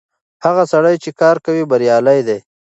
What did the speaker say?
هغه سړی چې کار کوي بريالی دی.